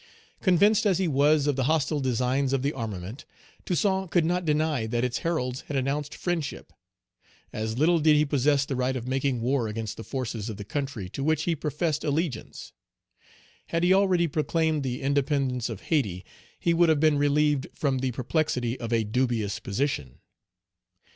Convinced as he was of the hostile designs of the armament, Toussaint could not deny that its heralds had announced friendship. As little did he possess the right of making war against the forces of the country to which he professed allegiance. Had he already proclaimed the independence of Hayti, he would have been relieved from the perplexity of a dubious position.